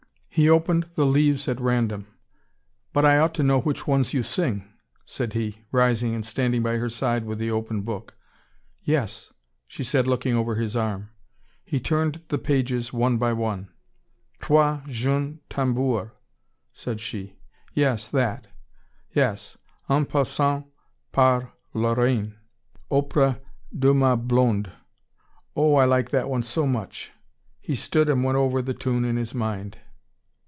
He opened the leaves at random. "But I ought to know which ones you sing," said he, rising and standing by her side with the open book. "Yes," she said, looking over his arm. He turned the pages one by one. "Trois jeunes tambours," said she. "Yes, that.... Yes, En passant par la Lorraine.... Aupres de ma blonde.... Oh, I like that one so much " He stood and went over the tune in his mind.